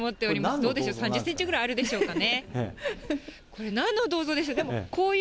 どうでしょう３０センチぐらいあるでしょうかね。